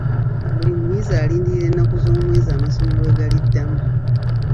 Buli muyizi alindirira ennaku z'omwezi amasomero lwe galiddamu okuggulawo.